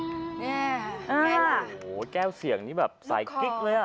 เนี่ยแก้วเสียงนี่แบบสายคลิกเลยอะ